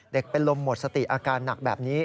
เป็นลมหมดสติอาการหนักแบบนี้